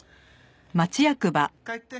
帰って。